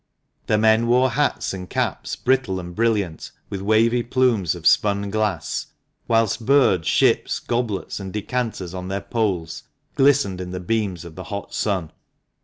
The men wore hats and caps brittle and brilliant, with wavy plumes of spun glass, whilst birds, ships, goblets, and decanters on their poles glistened in the beams of the hot sun.